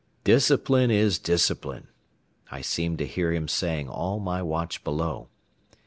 "Discipline is discipline," I seemed to hear him saying all my watch below.